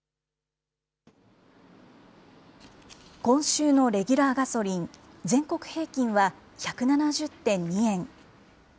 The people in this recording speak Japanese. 今週のレギュラーガソリン、全国平均は１７０．２円。